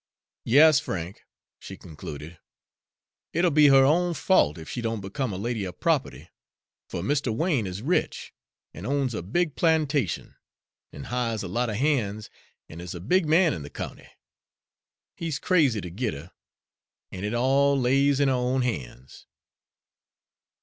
"Yas, Frank," she concluded, "it'll be her own fault ef she don't become a lady of proputty, fer Mr. Wain is rich, an' owns a big plantation, an' hires a lot of hands, and is a big man in the county. He's crazy to git her, an' it all lays in her own han's."